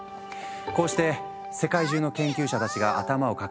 こうして世界中の研究者たちが頭を抱える中。